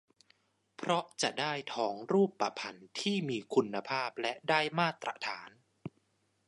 เพราะจะได้ทองรูปพรรณที่มีคุณภาพและได้มาตรฐาน